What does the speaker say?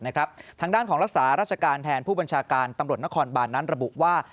ทางด้านของรักษาราชการแทนผู้บัญชาการตำรวจนครบานนั้นระบุว่า